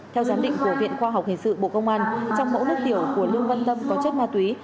theo giám định của viện khoa học hình sự bộ công an trong mẫu nước tiểu của lương văn tâm có chất ma túy